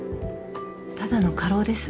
ただの過労です